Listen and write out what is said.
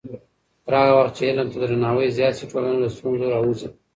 پر هغه وخت چې علم ته درناوی زیات شي، ټولنه له ستونزو راووځي.